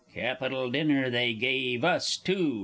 Capital dinner they gave us too